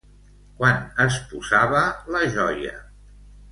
Quan es posava la joia?